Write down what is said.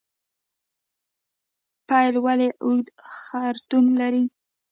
پیل ولې اوږد خرطوم لري؟